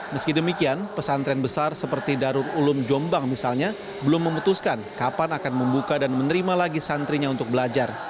meski demikian pesantren besar seperti darul ulum jombang misalnya belum memutuskan kapan akan membuka dan menerima lagi santrinya untuk belajar